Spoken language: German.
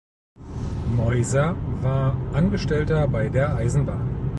Meuser war Angestellter bei der Eisenbahn.